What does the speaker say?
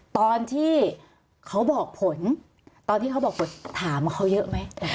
ตอนที่เขาบอกผลถามเขาเยอะไหม